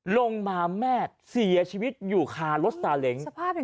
ลงมาแม่เสียชีวิตอยู่คารถซาเล้ง